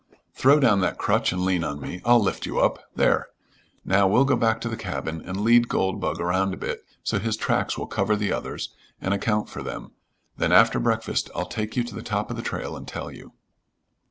"Throw down that crutch and lean on me. I'll lift you up There! Now we'll go back to the cabin and lead Goldbug around a bit, so his tracks will cover the others and account for them. Then after breakfast I'll take you to the top of the trail and tell you."